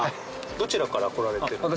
どちらから来られてるんですか？